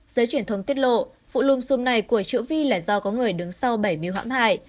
giới truyền thông tiết lộ vụ lùm xùm này của triệu vi là do có người đứng sau bảy miếu hãm hại